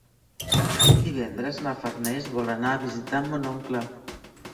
Divendres na Farners vol anar a visitar mon oncle.